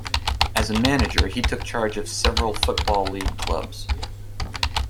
As a manager, he took charge of several Football League clubs.